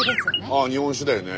ああ日本酒だよね。